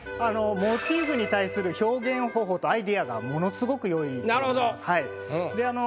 モチーフに対する表現方法とアイディアがものすごく良いと思います。